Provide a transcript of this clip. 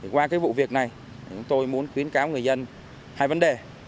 qua cái vụ việc này chúng tôi muốn khuyến cáo người dân hai vấn đề